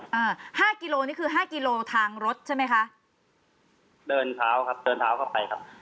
อ่าห้ากิโลนี่คือห้ากิโลทางรถใช่ไหมคะเดินเท้าครับเดินเท้าเข้าไปครับ